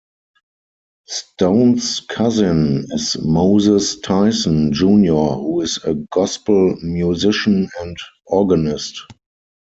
Stone's cousin is Moses Tyson, Junior who is a gospel musician and organist.